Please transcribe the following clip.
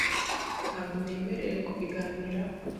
Ntabwo nemerewe kubiganiraho .